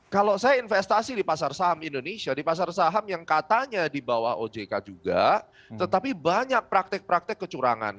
kalau saya investasi di pasar saham indonesia di pasar saham yang katanya di bawah ojk juga tetapi banyak praktek praktek kecurangan